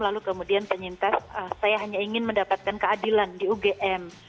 lalu kemudian penyintas saya hanya ingin mendapatkan keadilan di ugm